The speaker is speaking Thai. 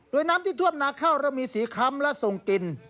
โดยน้ำที่ท่วมนาข้าวเรามีสีค้ำและทรงกิน